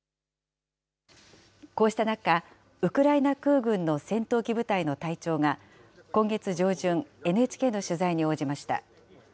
こうした中、ウクライナ空軍の戦闘機部隊の隊長が、今月上旬、ＮＨＫの取材に応じました。